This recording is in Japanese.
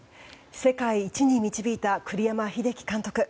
世界一に導いた栗山英樹監督。